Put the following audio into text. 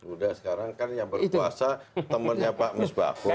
udah sekarang kan yang berkuasa temennya pak misbahun